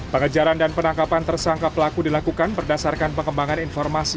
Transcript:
pengejaran dan penangkapan tersangka pelaku dilakukan berdasarkan pengembangan informasi